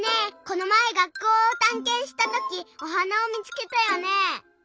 このまえ学校をたんけんしたときおはなをみつけたよねえ。